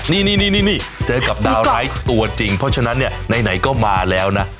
นี่เจอกับดาวร้ายตัวจริงเพราะฉะนั้นเนี่ยไหนก็มาแล้วนะ